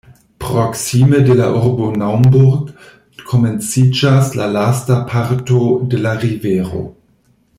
Proksime de la urbo Naumburg komenciĝas la lasta parto de la rivero.